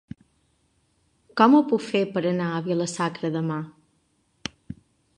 Com ho puc fer per anar a Vila-sacra demà?